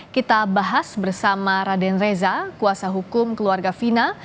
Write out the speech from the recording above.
kita bahas bersama raden reza kuasa hukum keluarga fina